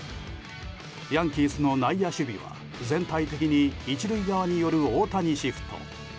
ヤンキースの内野守備は全体的に１塁側に寄る大谷シフト。